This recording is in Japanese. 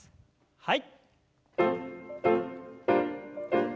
はい。